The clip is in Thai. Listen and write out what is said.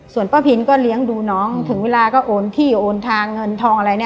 ส่วนป้าพินก็เลี้ยงดูน้องถึงเวลาก็โอนที่โอนทางเงินทองอะไรเนี่ย